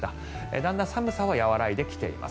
だんだん寒さは和らいできています。